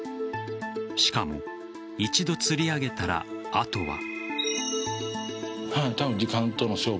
しかも一度つり上げたら、あとは。